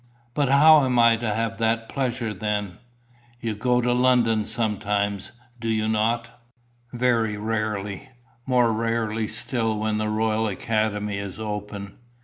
"But how am I to have that pleasure, then?" "You go to London sometimes, do you not?" "Very rarely. More rarely still when the Royal Academy is open."